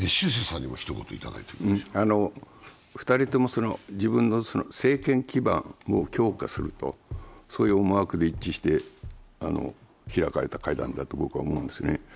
２人とも自分の政権基盤を強化するという思惑で一致して開かれた会談だと僕は思うんですね。